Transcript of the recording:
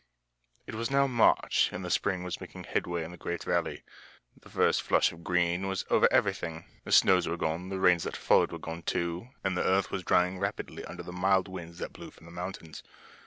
It was now March, and the spring was making headway in the great valley. The first flush of green was over everything. The snows were gone, the rains that followed were gone, too, and the earth was drying rapidly under the mild winds that blew from the mountains.